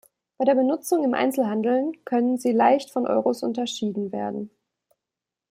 Bei der Benutzung im Einzelhandel können sie leicht von Euros unterschieden werden.